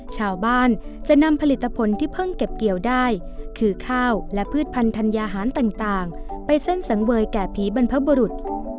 ชาวบ้านจะนำผลิตผลที่เพิ่งเก็บเกี่ยวได้คือข้าวและพืชพันธัญญาหารต่างไปเส้นสังเวยแก่ผีบรรพบุรุษ